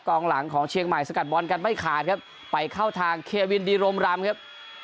หลังของเชียงใหม่สกัดบอลกันไม่ขาดครับไปเข้าทางเควินดีรมรำครับ